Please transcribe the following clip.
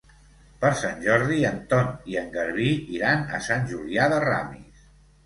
Per Sant Jordi en Ton i en Garbí iran a Sant Julià de Ramis.